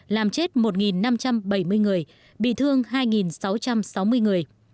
làm chết một năm trăm bảy mươi người bị thương hai sáu trăm sáu mươi người